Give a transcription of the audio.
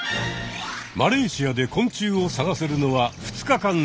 マレーシアで昆虫を探せるのは２日間のみ。